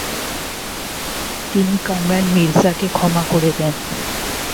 তিনি কামরান মির্জাকে ক্ষমা করে দেন।